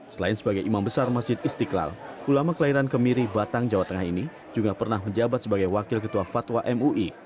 selain sebagai imam besar masjid istiqlal ulama kelahiran kemiri batang jawa tengah ini juga pernah menjabat sebagai wakil ketua fatwa mui